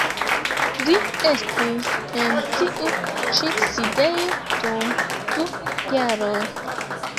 Li estis en tiu ĉi sidejo dum du jaroj.